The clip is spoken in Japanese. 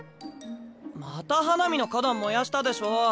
また花御の花壇燃やしたでしょ。